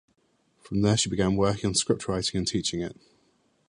From there she began working on scriptwriting and teaching it.